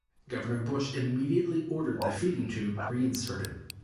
Governor Bush immediately ordered the feeding tube reinserted.